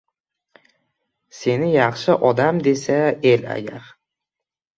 Seni yaxshi odam desa el agar.